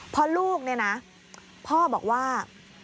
พอลูกเนี่ยนะพ่อบอกว่า